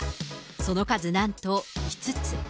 その数なんと５つ。